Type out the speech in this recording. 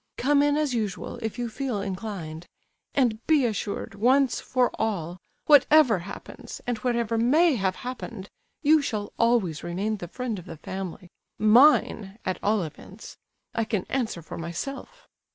Come in as usual, if you feel inclined; and be assured, once for all, whatever happens, and whatever may have happened, you shall always remain the friend of the family—mine, at all events. I can answer for myself."